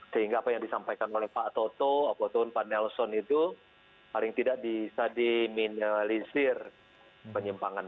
sehingga apa yang disampaikan oleh pak toto apapun pak nelson itu paling tidak bisa diminimalisir penyimpangan